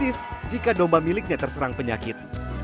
ihsan tahu persis jika domba miliknya terserang penyakit